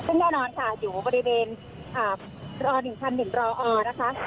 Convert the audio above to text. ซึ่งแน่นอนค่ะอยู่บริเวณร๑๑รอนะคะ